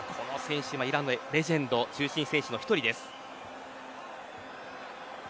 イランのレジェンド中心選手の１人です。